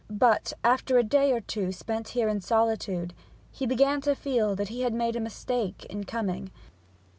But after a day or two spent here in solitude he began to feel that he had made a mistake in coming.